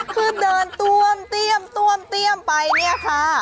คือเดินต้วมเตี้ยมต้วมเตี้ยมไปเนี่ยค่ะ